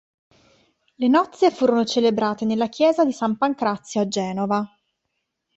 Le nozze furono celebrate nella chiesa di San Pancrazio a Genova.